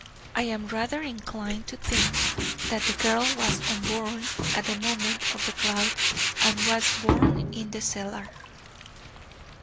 I am rather inclined to think that the girl was unborn at the moment of the cloud, and was born in the cellar.